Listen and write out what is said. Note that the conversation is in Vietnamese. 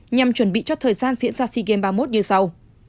nhằm chuẩn bị cho thời gian diễn ra seagame ba mươi một như sau